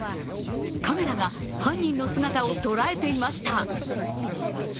カメラが犯人の姿を捉えていました。